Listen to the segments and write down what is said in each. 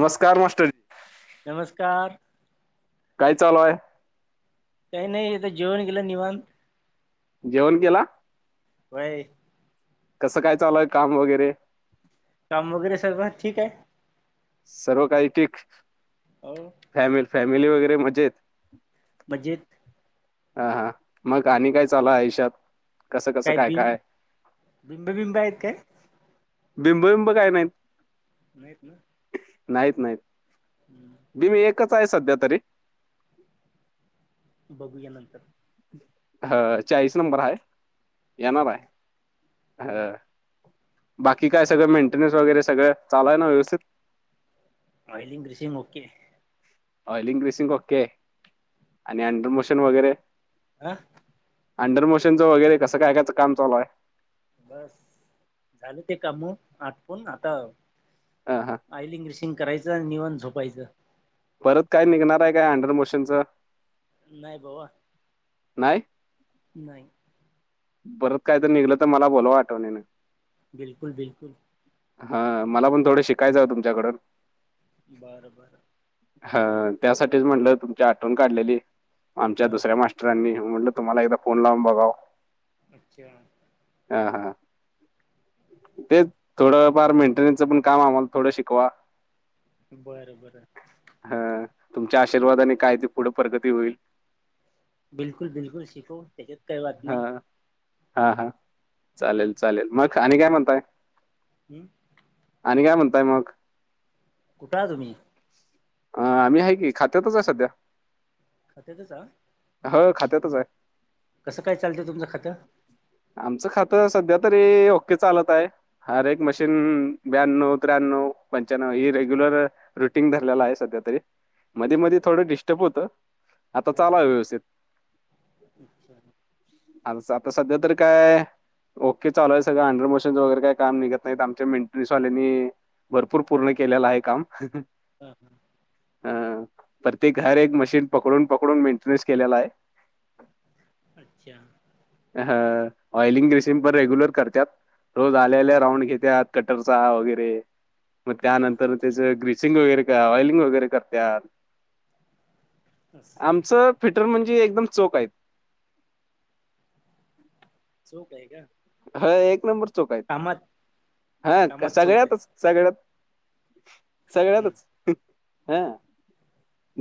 नमस्कार मास्टर. नमस्कार. काय चालूय? काही नाही, ईथ जेवण केलं निवांत. जेवण केला? व्हय. कसं काय चालुय काम वगैरे? काम वगैरे सगळं ठीक आहे. सर्व काही ठीक, हो फॅमि फॅमिली वगैरे मजेत. मजेत. अ हा, मग आणि काय चालू आय आयुष्यात? काय बिम, बिंब बिंब आहेत काय? बिंबिं बिंब काय नाहीत. नाहीत ना. नाहीत नाहीत. हम्म, बिंब एकच आहे सध्या तरी. बघूया नंतर. हा, चाळीस नंबर आहे,, येणार आहे, हाऽ बाकी काय सगळ मेंटेन्स वगैरे सगळं, चालु आय ना व्यवस्थित. Oiling, greasing okay oil increasing okay आणि अंडर मोशन वगैरे. आ, अंडरमोशनंच वगैरे कस काय काम चालू आहे? बस, झालं ते कामं, आठपुण आताऽ ह हा, आयलिंग, ग्रिसींग करायंच आणि निवांत झोपायचं. परत काय निघणार आहे काय अंडर मोशनचं? नाही बावा. नाही. नाही. बरत काय तर निघलं तर मला बोलवा आठवणीनं. बिलकुल बिलकुल. हा, मला पण थोडं शिकायचंय ओ तुमच्याकडून. बरं बरं. हा त्यासाठीच म्हणलं तुमच्या आठवण काढलेली आमच्या हा दुसऱ्या मा म्रांनी म्हटलं तुम्हाला एकदा फोन लावून बघा अच्छा हा हा तेच थोडं फार मेंटेन्सचं पण काम आम्हाला थोडं शिकवा. बरं बरं हा तुमच्या आशीर्वादाने काय ते पुढं प्रगती होईल बिलकुल बिलकु सिखो त्याच्यात काही वात हा नाही हा हा, चालेल हम्म. चालेल मग आणि काय म्हणताय? हम्म आणि काय म्हणताय मग? कुठं हाय तुम्ही? अ आम्ही आहे की खात्यातच आहे सध्या. खात्यातच आहा हो खात्यातच आहे. कसं काय चालतं तुमचं खातं? आमचं खातं सध्या तरी ओके चालत आहे. हर एक मशीन ब्याण्णव, त्र्याण्णव, पंच्याण्णव ही रेग्युलर रुटीन धरलेला आहे सध्या तरी. मधी मधी थोडं डिस्टर्ब होतं, आता चालू हाये व्यवस्थित. बिचारी आताचं आता सध्या तरी काय ओके चालू आहे सगळं, अंडर मोशन्स वगैरे काम निघत नाहीत आमच्या मेंटनन्सवाल्यानी भरपूर पूर्ण केलेलं आहे काम. हं हं. हं प्रत्येक घर एक मशीन पकडून पकडून मेंटेन्स केलेला आहे. अच्छा हं ऑइलिंग, ग्रीसिंग पण रेग्युलर करत्यात. रोज आल्या हा आल्या राऊंड घेतात. कटरचा वगैरे मग हा त्यानंतर त्याचं ग्रीसिंग वगैरे काय ऑइलिंग वगैरे करत्या. असं आमचं फिटर म्हणजे एकदम चोख आहेत. चोख आहे का? हं एक नंबर चोख आहेत, कामात हां कामात चोख सगळ्यातच. सगळ्यात आहे ह सगळ्यातच हं हां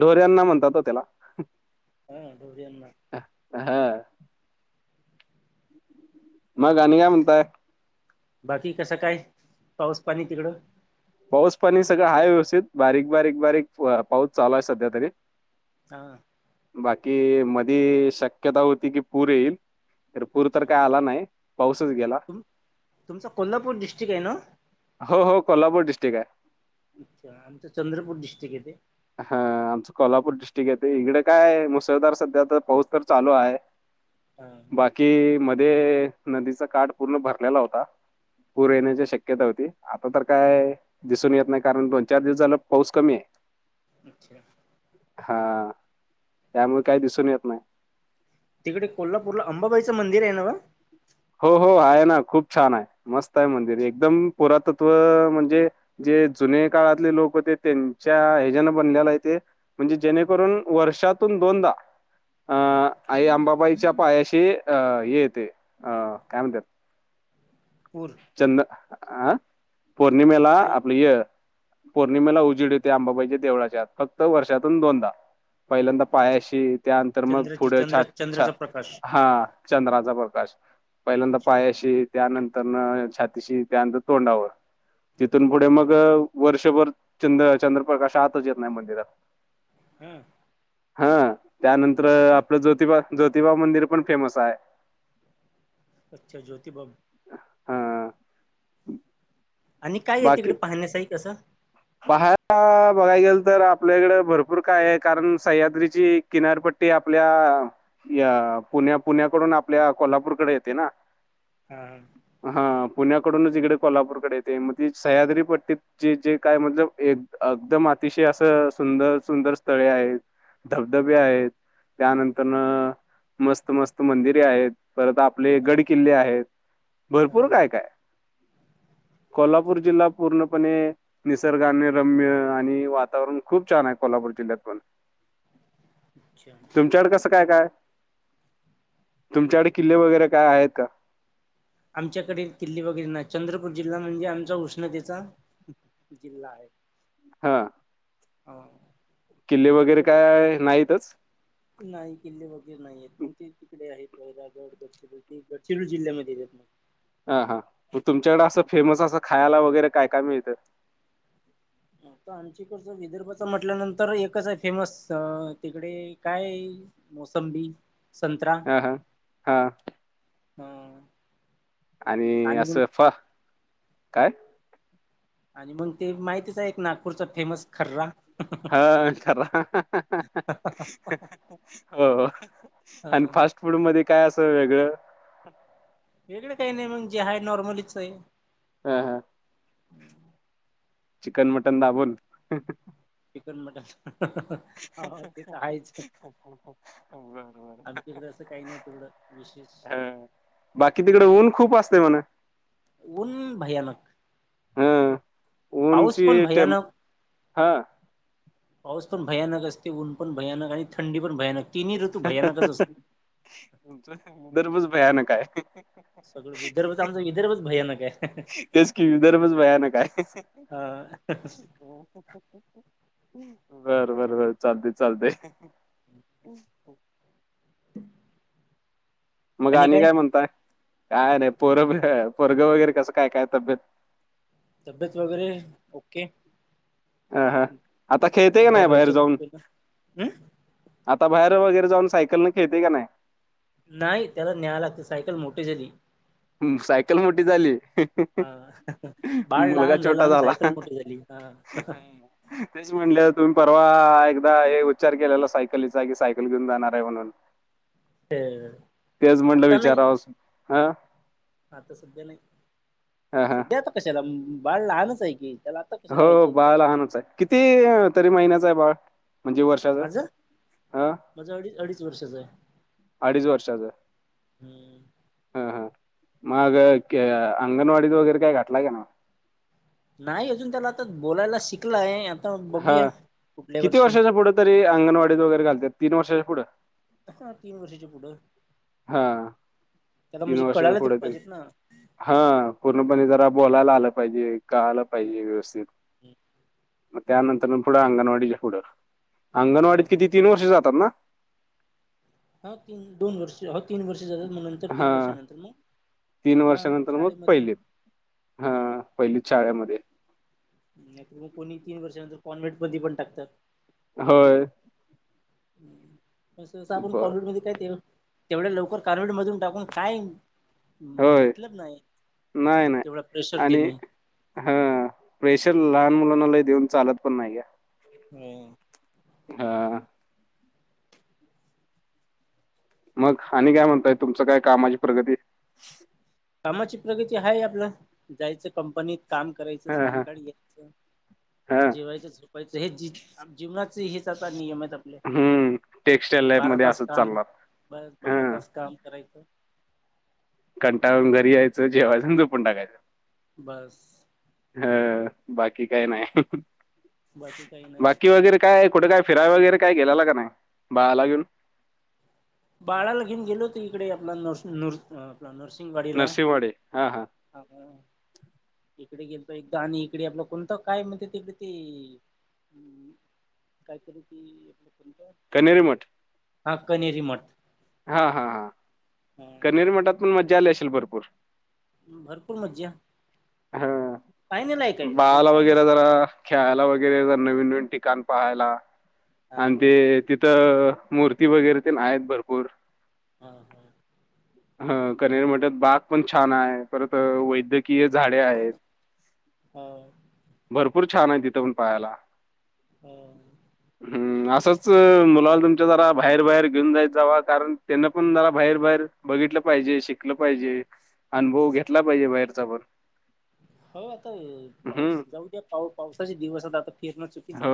ढोऱ्यांना म्हणतात वो त्याला हां ढोऱ्यांना. हा हं मग आणि काय म्हणताय? बाकी कसा काय पाऊस पाणी तिकडं? पाऊस पाणी सगळं हाय व्यवस्थित, बारीक बारीक बारीक पाऊस चालू आहे सध्या तरी. हां बाकी मधी शक्यता होती की पूर येईल तर पूर तर अच्छा काय आला नाही, पाऊसच गेला. तुम तुमचा कोल्हापूर डिस्ट्रिक आहे ना? हो हो कोल्हापूर डिस्ट्रिक्ट आहे. अच्छा आमचं चंद्रपूर डिट्रिक्ट येते. हा आमचं कोल्हापूर डिट्रिक्ट येते. इकडे काय मुसळधार सध्या तर पाऊस तर चालू आहे. [inaudible] हा ह कि मध्ये नदीचा काठ पूर्ण भरलेला होता, पूर हा येण्याच्या शक्य शक्यता होती आता तर काय दिसून येत नाही, कारण दोन चार दिवस झालं पाऊस कमी आहे. अच्छा. हां, त्यामुळे काही दिसून येत नाही. तिकडे कोल्हापूरला अंबाबाईचं मंदिर आहे नव्ह? हो हो आहे ना, खूप छान आहे. मस्त आहे मंदिर. एकदम पुरातत्व म्हणजे जे जुने काळातले लोक होते, त्यांच्या ह्याच्यान बनलेला आहे तेे. म्हणजे जेणेकरून वर्षातून दोनदा अ हा आई अंबाबाईच्या पायाशी अं हे येते, अं काय म्हणत्यात पूर चंद अं पौर्णिमेला काय आपली ह्य पौर्णिमेला उजीड येतोय अंबाबाईच्या देवळाच्यात, फक्त वर्षातून दोनदा. पहिल्यांदा अच्छा पायाशी त्यानंतर मग चंद्राची पुढं छ चंद्र छ चंद्राचा प्रकाश हा चंद्राचा प्रकाश पहिल्यांदा अच्छा पायाशी त्यानंतर छातीशी त्यानंतर तोंडावर तिथून पुढे अच्छा मग वर्षभर चंद्र चंद्रप्रकाश आतच येत नाही मंदिरात. हम्म हा त्यानंतर आपलं ज्योतिबा ज्योतिबा मंदिर पण फेमस आहे अच्छा ज्योतिबा हा आणि काय आहे तिकडे पाहण्यासाठीई कसं? पहा बघाय गेल तर आपल्याकडे भरपूर काय आहे कारण सह्याद्रीची किनारपट्टी आपल्या या पुण्या पुण्याकडून आपल्या कोल्हापूरकडे येते ना हा हा पुण्याकडूनच इकडे कोल्हापूरकडे येते मग ते सह्याद्री पट्टीत जे जे काय म्हणल एक एकदम अतिशय असं सुंदर सुंदर स्थळे आहे धबधबे आहेत त्यानंतर मस्त मस्त मंदिरे आहेत परत आप आपले हां, गड किल्ले आहेत हां. भरपूर काय काय कोल्हापूर अच्छा जिल्हा पूर्णपणे निसर्गाने रम्य आणि वातावरण खूप छान आहे कोल्हापूर जिल्ह्यात पण अच्छा तुमच्याकडे कसं काय काय तुमच्याकडे किल्ले वगैरे काय आहेत का? आमच्याकडे किल्ली बघितर नाही चंद्रपूर जिल्हा म्हणजे आमचा उष्णतेचा जिल्हा आहे हा ह किल्ले वगैरे काय नाहीतच? नाही किल्ले वगैरे नाही आहेत मग ते तिकडे आहेत वैरागडड गड चिरोू जिल्ह्यामध्ये येत मग. हा हा मग तुमच्याकडें असं फेमस असं खायला वगैरे काय काय मिळतं? तर आमच्याकडच विदर्भाचा म्हटल्यानंतर एकच आहे फेमस तिकडे काय मोसंबी संंतरा हा हा हा अं आणि असं फ, काय? आणि मग ते माहितीच आहे एक नागपूरचा फेमस खर्रा हा, ख हो आणि फास्ट फूड मध्ये काय असं वेगळं वेगळे काही नाही मग हाय नॉर्मलीच आहे हां हां चिकन मटन दाबून चिकन मटन हो हो ते तर आहेच बरबर आमच्याकडे असं काही नाही तेवढं विशेष ह बाकी तिकडे ऊन खूप असते म्हण उन भयानक हा पाऊस पण ऊनची टेम्प भयानक हा पाऊस पण भयानक असते ऊन पण भयानक आणि थंडी पण भयानक तिन्ही ऋतू भयानकच असतो तुमचा विदर्भच भयानकय सगळं विदर्भच आहे. आमचा विदर्भच भयानक आहे तेच की विदर्भच भयानक हाय. हा. [inaudible] बरं बरं बर चालते चालते. [inaudible] मग आणि काय म्हणताय काय नाही पोरब पोरगं वगैरे कसं काय काय तब्येत? तब्येत वगैरे ओके. अह हा आता खेळते का नाही बाहेर अंबाबाईच्या जाऊन? कृपेनं हम् आता बाहेर वगैरे जाऊन सायकल न खेळते का नाही? नाही त्याला न्याय लागते सायकल मोठी झाली. नाही सायकल मोठी झाली हा बाळ मुलगा लहान झालं छोटा आणि झाला सायकल मोठी झाली. हा. तेच म्हणलं तुम्ही परवा एकदा हे उच्चार केलेला एकदा सायकलीचा की सायकल घेऊन जाणार आहे म्हणून. हा तेच म्हणलं आता नाही विचाराव हं. आता सध्या नाही ह सध्या आता कशाला बाळ लहानच आहे की त्याला कशाला हो पाहिजे बाळ लहानच आहे किती तरी महिन्याच आहे बाळ म्हणजे वर्षाच? माझं हां. माझं अडीच अडीच वर्षाच आहे. अडीच वर्षाच. हम्म हा हा मग के अंगणवाडीत वगैरे काय घातलाय का नाही? नाही अजून त्याला आता बोलायला शिकला आहे आता बघूया हां. पुढल्या किती वर्षी. वर्षाच्या पुढं तरी अंगवाडीत वगैरे घालत्यात तीन वर्षाच्या पुढं. हा तीन वर्षाच्या पुढं हां, त्याला म्हणजे कळायला तर पाहिजेत ना? हा पूर्णपणे जरा बोलायला आलं पाहिजे कळालं ह पाहिजे व्यवस्थित. म त्यानंतर न पुढं अंगणवाडीच्या पुढं अंगणवाडीत ह किती तीन वर्ष जातात ना? हा तीन दोन वर्ष ह तीन वर्ष जातात म्हण तर तीन हां, वर्षानंतर मग आपला शाळेमध्ये. हम्म, हा पहिलीत शाळेमध्ये. नाही तर मग कोणी तीन वर्षांनंत कॉन्व्हेंटमध्ये पण टाकतात. होय. तसं तसं आपण बरं. कॉन्व्हेंटमध्ये काय ते तेवढ्या लवकर कॉन्व्हेंट मधून टाकून काय हम्म होय. मतलब नाही तेवढा प्रेशर देणे. हा प्रेशर लहान मुलाना लई देऊन चालत पण नाही घ्या. हम्म. हा. मग आणि काय म्हणताय तुमचं काय कामाची प्रगती. कामाची प्रगती हाय आपलं जायचं कंपनीत काम करायचं हां, हां. सायंकाळी यायचं. हां. जेवायचं झोपायचं हे ज जीवनाचे हेच आता नियम आहेत आ ले हं. टेक्सटाईल बारा लॅबमध्ये तास असंच काम चालणार. ब बारा हां. तास काम करायचं. कंटाळून घरी यायचं जेवायचं अन् जोपून टाकायचं. बस. ह बाकी काय नाही बाकी काही नाही. बाकी वगैरे काय कुठं काय फिराय वगैरे काय गेलेला का नाही बाळाला घेऊन? बाळाला घेऊन गेलो होत इकडे आपला नस न आपला नर्सिंगवाडीला. नरसिंहवाडी. हां, हां. [inaudible] इकडे गेलो एकदा आणि इकडे आपलं कोणतं काय म्हणते तिकडे ते काहीतरी ती आपलं कोणतं? कनेरी मठ. हा कनेरी मठ. हा हा हा, हा कनेरी मठात पण मज्जा आली असेल भरपूर? भरपूर मज्जा हां. पहायला नाही काय बाळाला देखावां वगैरे मस्त आहे. जरा खेळायला वगैरे ज नवीन नवीन ठिकाण पाहायला हा अन् हा ते तिथं मूर्ती वगैरे ते आहेत भरपूर. हा हा! ह कनेरी मठात बाग पण छान आहे परत वैद्य कीय झाडे आहेत, हो भरपूर छान आहेत तिथे पण पाहायला. हो! हम्म असंच मुलाला तुमच्या जरा बाहेर बाहेर घेऊन जाय जात जावा कारण त्यांना पण जरा बाहेर बाहेर बघितलं पाहिजे शिकलं पाहिजे अनुभव घेतला पाहिजे बाहेरचा पण. हो आता हम्म पाऊस जाऊ द्या पा पावसाचे दिवस आता आता फिरणं चुकीच आहे.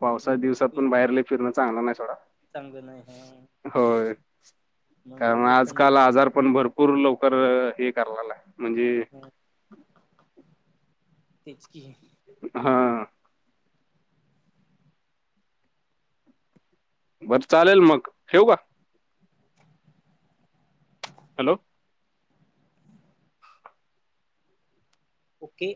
पावसाचा नंतर दिवसात पण बघूया बाहेर लय फिरणं चांगलं नाही सोडा. चांगलं नाही हा होय! मग कारण बघूया आजकाल थंडीच्या दिवसात आजारपण भरपूर लवकर हे करलेला म्हणजे तेच कि. हा! बरं चालेल मग ठेऊ का? [inaudible] हॅलो! ओके!